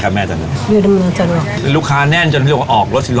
ก็น้ำมันเติมเงินสด